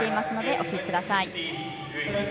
お聞きください。